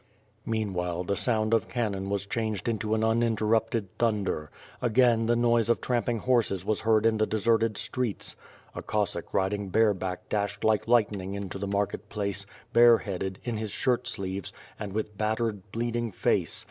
Meanwhile, the sound of cannon was chanired into an un interrupted thunder. Again the noise of tramjiing horses was heard in tlie deserted streets. A (Jossack riding bare ])ack dashed like lightning into the market place, bare headed, in his shirt sieves, and with battered, bleeding face.